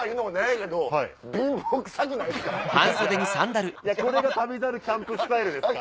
いやいやこれが『旅猿』キャンプスタイルですから。